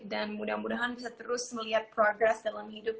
dan mudah mudahan bisa terus melihat progress dalam hidup